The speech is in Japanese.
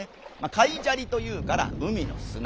海砂利というから海のすな。